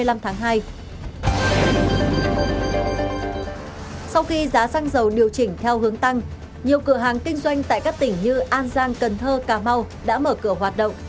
sau khi giá xăng dầu điều chỉnh theo hướng tăng nhiều cửa hàng kinh doanh tại các tỉnh như an giang cần thơ cà mau đã mở cửa hoạt động